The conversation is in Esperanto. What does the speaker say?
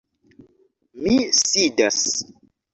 Mi sidas.